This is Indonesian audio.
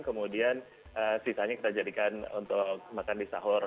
kemudian sisanya kita jadikan untuk makan di sahur